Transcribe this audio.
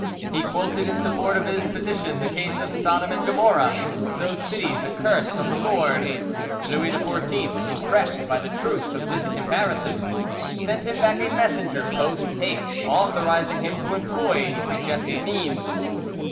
He quoted in support of his petition the case of Sodom and Gomorrah—those cities accursed of the Lord. Louis XIV, impressed by the truth of this comparison, sent him back a messenger post haste authorising him to employ the suggested means.